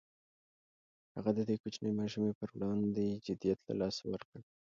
هغه د دې کوچنۍ ماشومې پر وړاندې جديت له لاسه ورکړ.